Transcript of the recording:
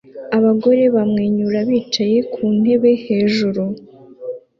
Abagore bamwenyura bicaye ku ntebe hejuru